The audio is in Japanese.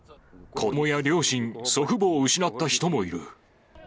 子どもや両親、祖父母を失った人もいる。